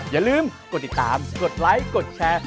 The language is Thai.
อย่าลืมกดติดตามกดไลค์กดแชร์